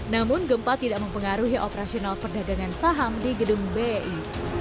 namun gempa tidak mempengaruhi operasional perdagangan saham di gedung bi